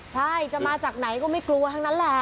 ใช่จะมาจากไหนก็ไม่กลัวทั้งนั้นแหละ